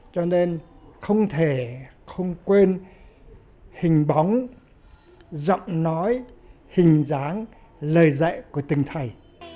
cho nên không thể không quên hình bóng giọng nói hình dáng lời dạy của từng thầy